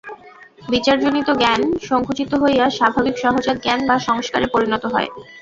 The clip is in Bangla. বিচার-জনিত জ্ঞান সঙ্কুচিত হইয়া স্বাভাবিক সহজাত জ্ঞান বা সংস্কারে পরিণত হয়।